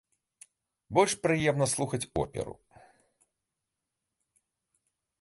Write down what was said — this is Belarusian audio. Больш прыемна слухаць оперу.